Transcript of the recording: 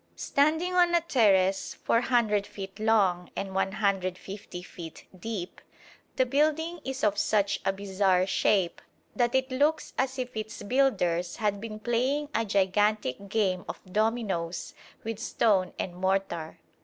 Standing on a terrace 400 feet long and 150 feet deep, the building is of such a bizarre shape that it looks as if its builders had been playing a gigantic game of dominoes with stone and mortar.